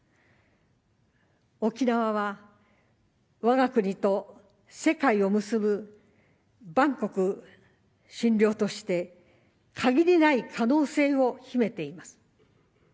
沖縄は、我が国と世界を結ぶ「万国律梁」として限りない可能性を秘めています。